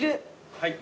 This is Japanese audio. はい。